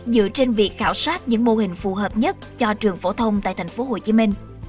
dựa trên việc khảo sát những mô hình phù hợp nhất cho trường phổ thông tại thành phố hồ chí minh